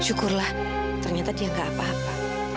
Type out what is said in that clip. syukurlah ternyata dia gak apa apa